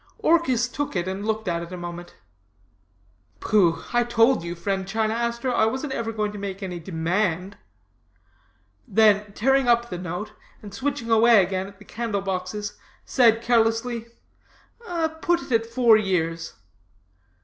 Orchis took it, and looked at it a moment, 'Pooh, I told you, friend China Aster, I wasn't going ever to make any demand.' Then tearing up the note, and switching away again at the candle boxes, said, carelessly; 'Put it at four years.'